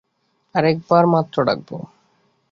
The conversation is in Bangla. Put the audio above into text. আর এক বার মাত্র ডাকব।